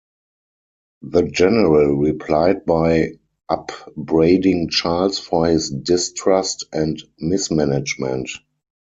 The general replied by upbraiding Charles for his distrust and mismanagement.